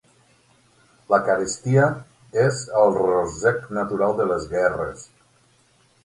La carestia és el ròssec natural de les guerres.